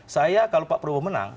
saya kalau pak prabowo menang